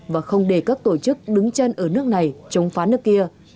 và không để các tổ chức đứng chân ở nước này chống phá nước kia